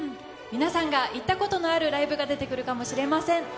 皆さんが行ったことのあるライブが出てくるかもしれません。